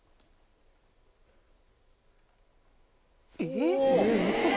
えっ！